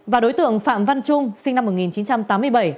và đối tượng phạm văn trung sinh năm một nghìn chín trăm tám mươi bảy